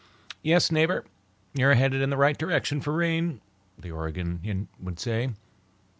"Yes, neighbor, you's heading in the right direction for rain," the Oregonian would say.